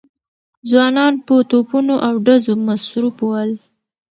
ځوانان په توپونو او ډزو مصروف ول.